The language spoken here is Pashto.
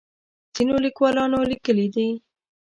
ځینو لیکوالانو لیکلي دي.